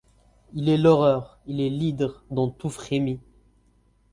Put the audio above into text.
Il est l’horreur ; il est l’hydre dont tout frémit ;